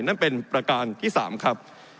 นั่นเป็นประการที่๓ครับ